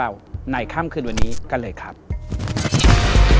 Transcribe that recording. แล้วก็ต้องบอกคุณผู้ชมนั้นจะได้ฟังในการรับชมด้วยนะครับเป็นความเชื่อส่วนบุคคล